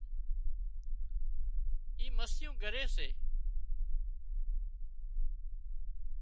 اِي مسيون ڳريس سي